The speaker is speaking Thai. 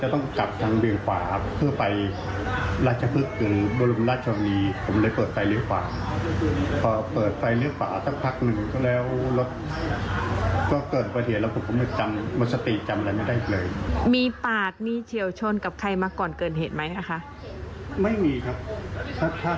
ถ้าที่จำได้ไม่มีแต่ถ้าตอนเราไปต่อเฉียวอะไรของตัว